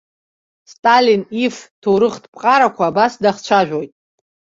Сталин иф-ҭоурыхтә ԥҟарақәа абас дахцәажәоит.